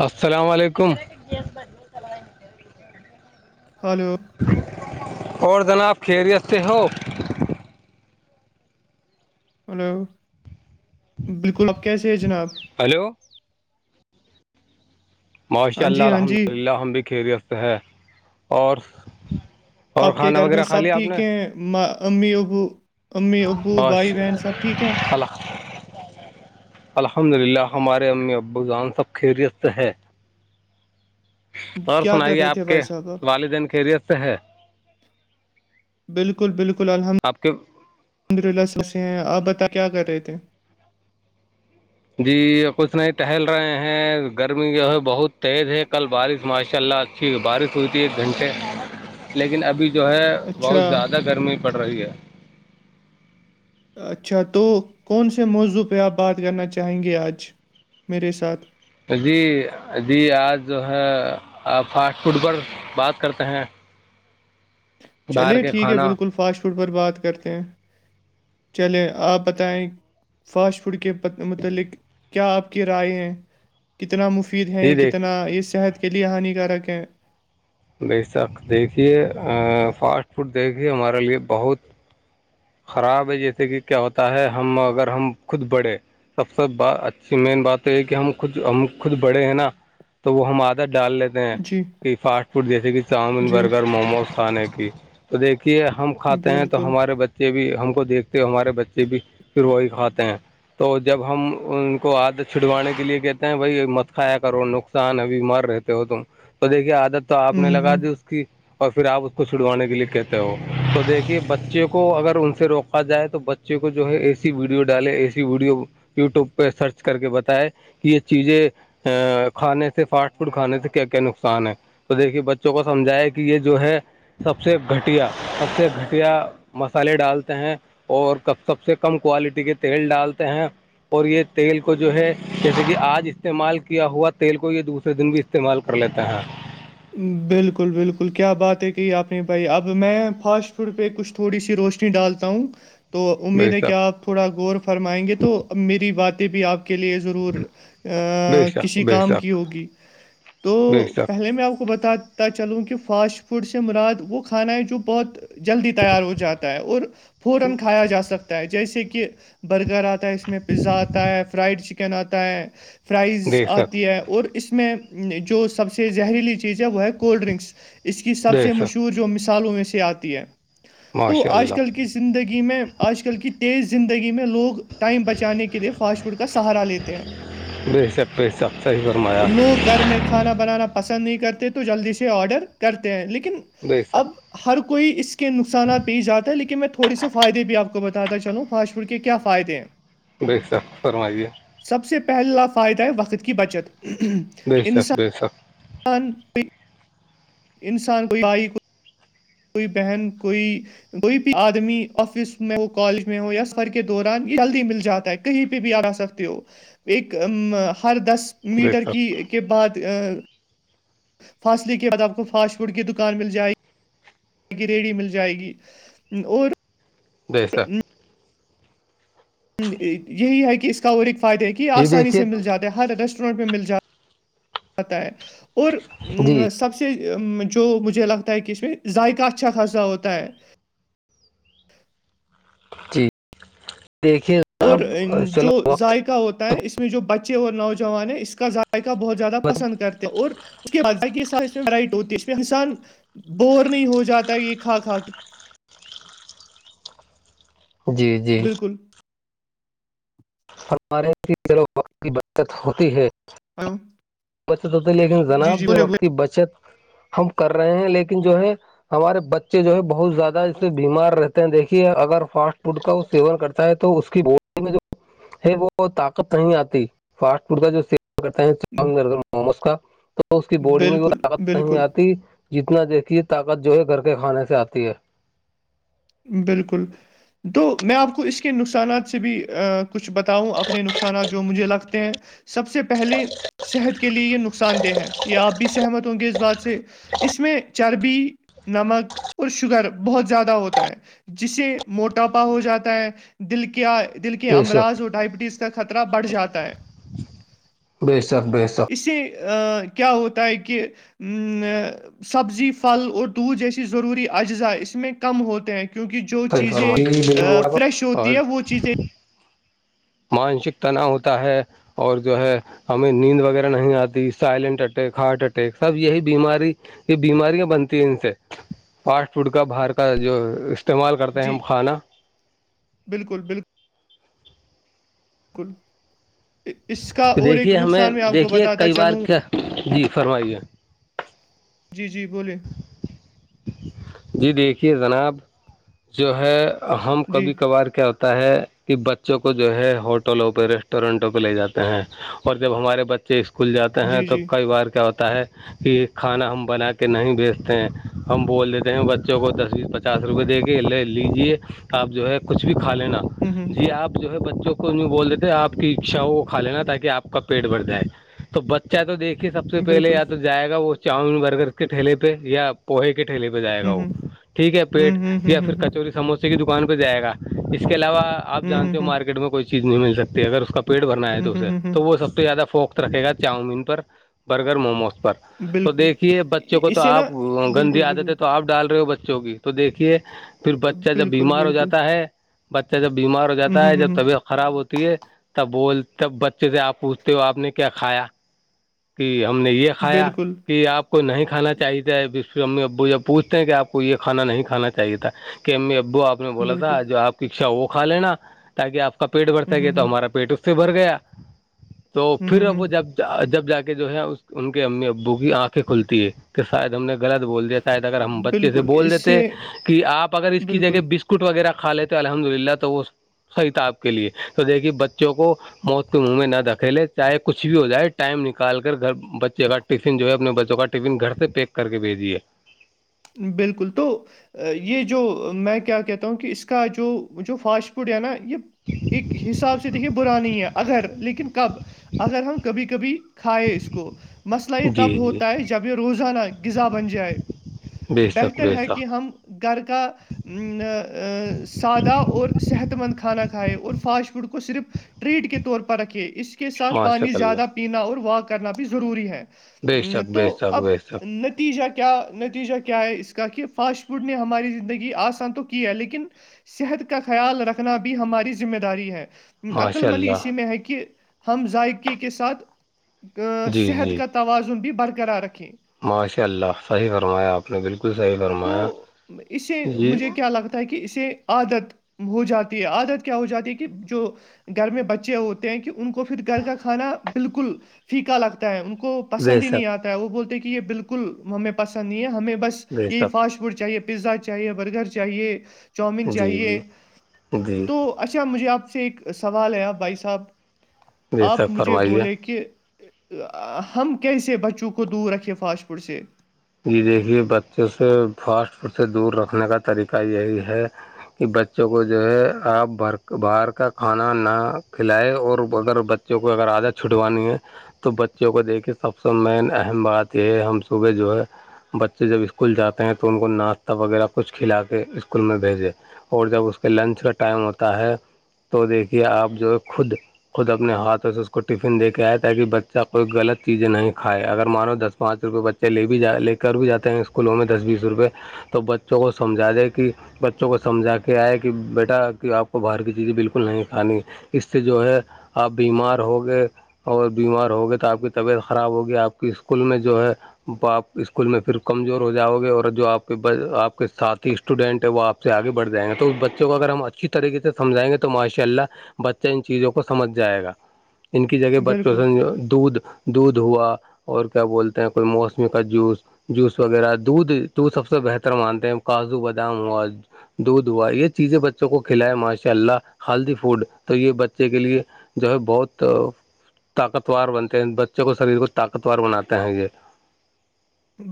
السلام علیکم ہلو اور جناب خیریستتے ہو ہلو بالکل اب کیسے ہے جناب ہیلو ماشاء ہاں اللہ جی ہاں جی الحمد للہ ہم بھی خیریت سے ہے اور اور کھانا وغیرہ کھا لیا آپ نے م امی ابو امی ابو بھائی بہن سب ٹھیک ہیں خلق الحمد للہ ہمارے امی ابو جان سب خیریت سے ہے اور کیا کر سنائیے رہے تھے آپ بھائی کے صاحب آب والدین خیریت سے ہے بالکل بالکل الحمد آپ کے الحمد للہ سبس ہیں آپ بت کیا کر رہے تھے جی کچھ نہیں ٹہل رہے ہیں گرمی جو ہے بہت تیز ہے کل بارش ماشاء اللہ ٹھیک ہے بارش ہوئی تھی ایک گھنٹے لیکن ابھی جو ہے اچھا بہت زیادہ گرمی پڑ رہی ہے اچھا تو کون سے موضوع پہ آپ بات کرنا چاہیں گے آج میرے ساتھ جی جی آج جو ہے آپ فاسٹ فوڈ پر بات کرتے ہیں باہر چلے کے ٹھیک ہے کھانا بالکل فاسٹ فوڈ پر بات کرتے ہیں چلے آپ بتائیں فاسٹ فوڈ کے متعلق کیا آپ کی رائے ہیں کتنا مفید ہے جی دیکھ کتنا یہ صحت کے لیے ہان کارک ہے بے شک دیکھیے فاسٹ فوڈ دیکھیے ہمارے لیے بہت خراب ہے جیسے کہ کیا ہوتا ہے ہم اگر ہم خود بڑھے سب سے ب اچھی مین بات یہ ہے کہ ہم خود ہم خود بڑے ہیں نا تو وہ ہم آدہ ڈالتے ہیں جی کہ فاسٹ فوڈ جیسے کہ چاؤمن جی برگر موموز کھانے کی تو دیکھیے ہم کھاتے ہیں تو بالکل ہمارے بچے بھی ہم کو دیکھتے ہو ہمارے بچے بھی پھر وہی کھاتے ہیں تو جب ہم ان کو عادت چھڑوانے کے لیے کہتے ہیں بھائی مت کھایا کرو نقصان ابھی مر رہ ہو تم تو دیکھیے آادت آپ نے ہوں لگا ہوں دی اس کی اور پھر آپ اس کو چھڑوانے کے لیے کہتے ہو تو دیکھیے بچوں کو کو اگر ان سے روکا جائے تو بچے کو جو ہے اے سی ویڈیو ڈالے اے سی ویڈیو یوٹیوب پہ سرچ کر کے بتائے کہ یہ چیزیں ا کھانے سے فاسٹ فوڈ کھانے سے کیا کیا نقصان ہے تو دیکھیے بچوں کو سمجھایا کہ یہ جو ہے سب سے گھٹیا سب سے گھٹیا مسالے ڈالتے ہیں اور ک سب سے کم کوالٹی کے تیل ڈالتے ہیں اور یہ تیل کو جو ہے جیسے کہ آج استعمال کیا ہوا تیل کو یہ دوسرے دن بھی استعمال کر لیتا ہیں بالکل بالکل کیا بات ہے کہی آپ نے بھائی اب میں فاسٹ فوڈ پہ کچھ تھوڑی سی روشنی ڈالتا ہوں تو بے امید ہے شک کہ آپ تھوڑا غور فرمائیں گے تو میری باتیں بھی آپ کے لیے ضرور بے شک کسی بے کام کی شک ہوگی تو بے شک پہلے میں آپ کو کو بتاتا چلوں کہ فاسٹ فوڈ سے مراد وہ کھانا ہے جو بہت جلدی تیار ہو جاتا ہے اور [inaudible] کہنا آتا ہے فرائز بے شک آتی ہے اور اس میں جو سب سے زہریلی چیز ز ہے وہ ہے کولڈ ڈرنکس اس کی سب بے سے شک مشہور جو مثالوں میں سے آتی ہے تو ماشاء آج اللہ کل کی زندگی میں آج کل کی تیز زندگی میں لوگ ٹائم بچانے کے لیے فاسٹ فوڈ کا سہارا لیتے ہیں بے شک بے شک صحیح فرمایا لوگ گھر میں کھانا بنانا پسند نہیں کرتے تو جلدی سے آڈر کرتے ہیں لیکن بے اب شک ہر کوئی اس کے نقصانات پیش جاتا ہے لیکن میں تھوڑے سے فائدے بھی آپ کو بتاتا چلوں فاسٹ فوڈ کے کیا فائدے ہیں بے سر فرمائیے سب سے پہلا فائدہ ہے وقت کی بچت بے شخ بے شاکخ ت پک انسان کوئی آئی کوئی کوئی بہن کوئی کوئی بھی آدمی آفس میں ہو کالج میں ہو یا سفر کے دوران یہ جلدی مل جاتا ہے کہیں پہ بھی آگا سکتے ہو ایک ہر دس بے میٹر کی شک کے بعد فاصلی کے بد آپ کو فاسٹ فوڈ کی دکان مل جائےی گ ریڑی مل جائے گی اور جی سر یہی ہے کہ اس کا اور ایک فائدہ ہے کہ یہ جی آسانی دیکھیے سے مل جاتا ہے ہر ادسٹ پہ مل جائے اور جی سب جو مجھے لگتا ہے کہ اس میں ذائقہ اچھا خاصا ہوتا ہے جی دیکھیے اور جناب جو چلو وقت ذائقہ ہوتا ہے اس میں جو بچے اور نوجوان ہیں اس کا ذائقہ بہت زیادہ پسند کرتے اور اس کے بعقی رائٹ ہوتی ہے اس میں انسان بور نہیں ہو جاتا یہ کھا کھا کے جی جی بالکل ہمارے کی بچت ہوتی ہے ہاں بچت ہوتی لیکن جناب جو وقت کی بچت ہم کر رہے ہیں لیکن جو ہے ہمارے بچے جو ہے بہت زیادہ اس سے بیمار رہتے ہیں دیکھیے اگر فاسٹ فوڈ کا وہ سیون کرتے ہے تو اس کی بہ ہے وہ طاقت نہیں آتی فاسٹ فوڈ کا جوع کرتے ہیں چ موموس کا تو تو اس کی باڈی میں بھی وہ بالکل طاقت نہیں بالکل آتی جتنا دیکھیے طاقت جو ہے گھر کے کھانے سے آتی ہے بالکل تو میں آپ کو اس کے نقصانات سے بھی کچھ بتاؤں اپنے نقصانات جو مجھے لگتے ہیں سب سے پہلے صحت کے لیے یہ نقصان دہ ہے یہ آپ بھی سہمت ہوں گے اس بات سے اس میں چربی نمک اور شوگر بہت زیادہ ہوتا ہے جسے موٹاپا ہو جاتا ہے دل کیا دل کے بے شک امراض اور ڈائبٹیز کا خطرہ بڑھ جاتا ہے ڈری سر ڈے سر اس سے کیا ہوتا ہے کہ سبزی پھل اور دودھ جیسی ضروری اجزاء اس میں کم ہو ہیں کیونکہ جو صحیح چیزیں فرمایا فریش ہوتی اور ہے وہ چیزیں مانسک تناؤ ہوتا ہے اور جو ہے ہمیں نیند وغیرہ نہیں آتی سائلینٹ اٹیک ہارٹ اٹیک سب یہی بیماری یہ بیماریاں بنتی ہیں ان سے فاسٹ فوڈ کا باہر کا جو استعمال کرتے ہیں جی ہم کھانا بالکل بالکل اس کا تو اور ایک دیکھیے ہمیں نقصان میں آپ کو دیکھیے بتاتا کئی بار چلوں کیا جی فرمائیے جی جی بولیے جی دیکھیے جناب جو ہے ہم جی کبھی کبھار کیا ہو ہے کہ بچوں کو جو ہے ہوٹلوں پہ ریسٹورینٹوں پہ لے جاتے ہیں اور جب ہمارے بچے اسکول جاتے ہیں جی تو جی کئی بار کیا ہوتا ہے کہ کھانا ہم بنا کے نہیں بیچتے ہیں ہم بول دیتے ہیں بچوں کو دس بیس پچاس روپئے دے کے لے لیجیے آپ جو ہے کچھ بھی کھا لینا ہوں ہوں جی آپ جو ہے بچوں کو ان میں بول دیتے ہیں آپ کی اچھاؤں کو کھا لینا تاکہ آپ کا پیٹ بڑھ جائے تو بچہ تو دیکے سب سے پہلے بالکل یا تو جائے گا وہ چاؤمین برگر کے ٹھیے پہ یا پوہے کے ٹھیلے پہ جائے گا ہوں وہ ہوں ٹھیک ہے پیٹ ہوں ہوں یا ہوں پھر ہوں کچوری سموسے کی دکان پہ جائے گا اس کے علاوہ آ ہوں ہوں جانتے ہو ہوں مارکیٹ میں کوئی چیز نہیں مل سکتی اگر اس کا پیٹ بھرنا ہے ہوں تو ہوں اسے ہوں تو ہوں وہ سب سے زیادہ فوکس [unintelligible] رکھے گا چاؤمین پر برگر موموز پر تو بالکل دیکھیے بچوں ا- کو تو اسے نا آپ گندی بالکل آ دیتے بالکل تو پ ڈال رہے ہو بچوں کی تو دیکھیے پھر بچہ جب بالکل بیمار ہو بالکل جاتا ہے بچہ جب بیمار ہو ہوں جاتا ہوں ہے ہوں جب ہوں تبھی خراب ہوتی ہے تب بول تب بچے سے آپ پوچھتے ہو آپ نے کیا کھایا کہ ہم نے یہ کھایا بالکل کہ آپ کو نہیں کھانا چاہیےھر امی ابو جب پوچھتے ہیں کہ آپ کو یہ کھا نہیں کھانا چاہیے تھا کہ ابو آ نے بولا بالکل تھا جو آپ کیچھا وہ کا لینا تاکہ آپ کا پیٹ بھر ہوں س ہوں گے تو ہوں ہمارا پیٹ اس سے بھر گیا تو ہوں ہوں پھر ا جب جب جا کے جو ہے ان کے امی ابو کی آنکھیں کھلتی ہے کہ شاید ہم نے غلط بول دیا شاید اگر ہم ہوں بچے سے بالکل بول اس سے دیتے کہ آپ اگر اس کی بالکل جگہ بسک اسکٹ وغیرہ کھا لیتے الحمد للہ تو وہ صحیح تھا آپ کے لیے تو دیکھیے بچوں کو موت کے منہ میں نہ دکھھیلے چاہے کچھ بھی ہو جائے ٹائم نکل کال کر گھر بچے کا ٹفن جو ہے اپنے بچوں کا ٹفن گھر سے پیک کر کے بھیجیے بالکل تو [unintelligible] یہ جو میں کیا کہتا ہوں کہ اس کا جو جو فاسٹ فوڈ ہے نا یہ ایک حساب سے دیکھیے بانی ہے اگر لیکن کب اگر ہم کبھی کبھی کھائے اس کو مسئلہ یہ جی تب جی ہوتا ہے جب یہ روزانہ غذا بن جائے بے شک بہتر بے ہے شک کہ ہم گھر کا سادہ اور صحت مند کھانا کھائے اور فاسٹ فوڈ کو صرف ٹریڈ کے طور پر رکھے اس کے ساتھ ماشاء پانی زیادہ اللہ پینا اور واک کرنا بھی ضروری ہے بے ہ شک تو بے شک اب بے شک نتیجہ کیا نتی نتیجہ کیا ہے اس کا کہ فاسٹ فوڈ نے ہماری زندگی آسان تو کی ہے لیکن صحت کا خیال رکھنا بھی ہماری ذمہ داری ہے ماشاء عقللمندی اللہ اسی میں ہے کہ ہم ذائقے کے ساتھ جی صحت جی کا توازن بھی برقرار رکھے ماشاء اللہ صحیح فرمایا آپ نے بالکل صحیح فرمایا تو اسے جی مجھے کیا لگتا ہے کہ اسے عادت ہو جاتی ہے عادت کیا ہو جاتی ہے کہ جو گھر میں بچے ہوتے ہیں کہ ان کو پھر گھر کا کھانا بالکل پھیکا لگتا ہے ان کو بے پسند ہی نہیں شک آتا ہے وہ بولتے کہ یہ بالکل ہمیں پسند نہیں ہے ہمیں بس بے یہی شک فاسٹ فوڈ چاہیے پیزا چاہیے برگر چاہیے چاؤومین جی چاہیے جی جی تو اچھا مجھے آپ سے ایک سوال آیا بھائی صاحب بے آپ شک مجھے فرمائیے بولے کہ ہم کیسے بچوں کو دور رکھے فاسٹ فوڈ سے ج دیکھیے بچوں سے فاسٹ فوڈ سے دور رکھنے کا طریقہ یہی ہے کہ بچوں کو جو ہے آپ بھر باہر کا کھانا نہ کھلائے اور اگر ب جو کوئی اگر عادت چھٹوانی ہے تو بچوں کو دیکھے سب سے مین اہم بات یہ ہے ہم صوبح جو ہے بچے جب اسکول جاتے ہیں تو ان کو ناشتہ وغیرہ کچھ کھلا کے اسکول میں بھیجے اور جب اس کے لنچ کا ٹائم ہوتا ہے تو دیکھیے آپ جو ہے خود خود اپنے ہاتھوں سے اس کو ٹفن دے کے آئے تاکہ بچہ کوئی غلط چیزیں نہیں کھائے اگر مانو دس پانچ روپئے بچے بھی جا لے کر بھی جاتے ہیں اسکولوں میں دس بیس روپئے تو بچوں کو سمجھا دے کہ بچوں کو سمجھا کے آیا کہ بیٹا کہ آپ کو باہر کی چیزیں بالکل نہیں کھانی اس سے جو ہے آپ بیمار ہو گئے اور بیمار ہو گئے تو آپ کی طبیعت خراب ہوگی آپ کی اسکول میں جو ہے تو آپ اسکول میں پھر کمزور ہو جاؤ گے اور جو آپ کے آپ کے ساتھی اسٹوڈنٹ ہیں وہ آپ سے آگے بڑھ جائیں گے تو اس بچوں کو اگر ہم اچھی طریقے سے سمجھائیں گے ماشء اللہ بچہ ان چیزوں کو سمجھ جائے گا ان کی جگہ بچوں بالکل سے دودھ دودھ ہوا اور کیا بولتے ہیں کوئی مو چشم کا جوس جوس وغیرہ دودھ دودھ سب سے بہتر مانتے ہیں کاجو بادام ہوا دودھ ہوا یہ چیزیں بچوں کو کھلائے ماشاء اللہ ہلدی فوڈ تو یہ بچے کے لیے جو ہے بہت طاقتوور بنتے ہیں بچوں کو شریر کو طاقتوور بناتے ہیں یہ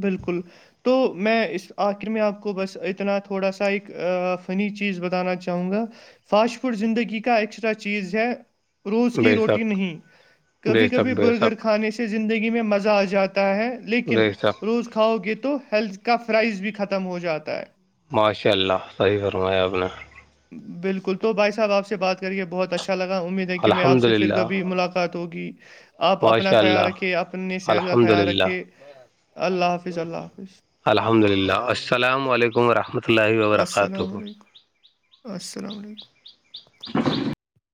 بالکل تو میں اس آخر میں آپ کو بس اتنا تھوڑا سا ایک فنی چیز بتانا چاہوں گا فاسٹ فوڈ زندگی کا ایکسٹرا چیز ہے روز کی بے روٹی شک نہیں بے کبھی شک کبھی بے برگر شک کھانے سے زندگی میں مزہ آ جاتا ہے بے لیکن شک روز کھاؤ گے تو ہیلتھ کا فرائز بھی ختم ہو جاتا ہے ماشاء اللہ صحیح فرمایا آپ نے بالکل تو بھائی صاحب آپ سے بات کریے بہت اچھا لگا امید کہ میں آپ الحمد سے پھر للہ کبھی ملاقات ہوگی آپ اپنا ماشاء خیال اللہ رکھے اپنی صحت کا الحمد خیال للہ رکھے اللہ حافظ اللہ حافظ الحمد اللہ السلام علیکم رحمت السلام علیکم السلام علیکم